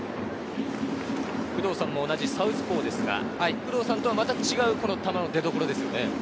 工藤さんも同じサウスポーですが工藤さんとはまた違う球の出どころですね。